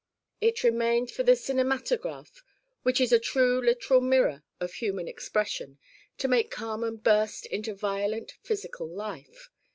It remained for the cinematograph, which is a true literal mirror of human expression, to make Carmen burst into violent physical life.